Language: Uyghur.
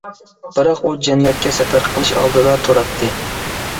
بىراق ئۇ جەننەتكە سەپەر قىلىش ئالدىدا تۇراتتى.